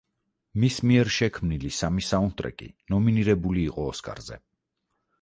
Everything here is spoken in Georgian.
მის მიერ შექმნილი სამი საუნდტრეკი ნომინირებული იყო ოსკარზე.